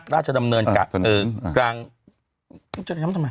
ราชดำเนินนะฮะ